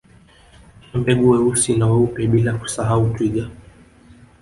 Pia Mbega weusi na weupe bila kusahau Twiga